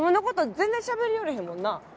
全然しゃべりよれへんもんな。